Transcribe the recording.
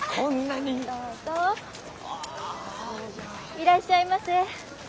いらっしゃいませ。